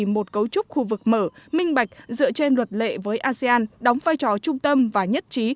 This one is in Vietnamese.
một cấu trúc khu vực mở minh bạch dựa trên luật lệ với asean đóng vai trò trung tâm và nhất trí